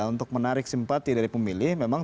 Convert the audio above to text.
untuk menarik simpati dari pemilih memang